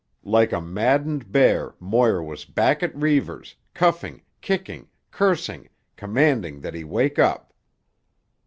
Like a maddened bear Moir was back at Reivers, cuffing, kicking, cursing, commanding that he wake up.